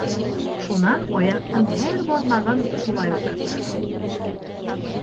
Шунан аяҡтың һәр бармағын шулай уҡ һыпырығыҙ.